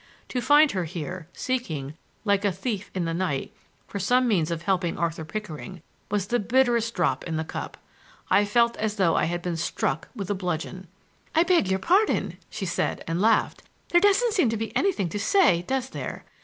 To find her here, seeking, like a thief in the night, for some means of helping Arthur Pickering, was the bitterest drop in the cup. I felt as though I had been struck with a bludgeon. "I beg your pardon!" she said, and laughed. "There doesn't seem to be anything to say, does there?